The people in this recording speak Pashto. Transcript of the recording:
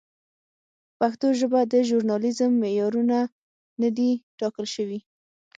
په پښتو ژبه د ژورنالېزم معیارونه نه دي ټاکل شوي.